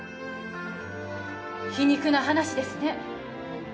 皮肉な話ですね